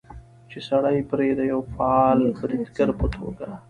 چې سړى پرې د يوه فعال بريدګر په توګه